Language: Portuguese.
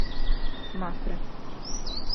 Mafra